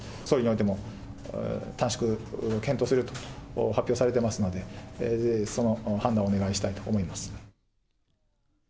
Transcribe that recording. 総理においても、短縮を検討すると発表されてますので、その判断をお願いしたいと思います。